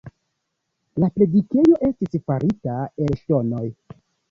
La predikejo estis farita el ŝtonoj.